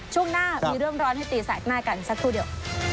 ช่วงหน้ามีเรื่องร้อนให้ตีแสกหน้ากันสักครู่เดียว